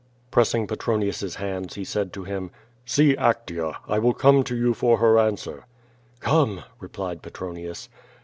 Pressing Petronius's hands, he said to him: "See Actea. I will come to you for her answer/^ "Come," replied Petronius.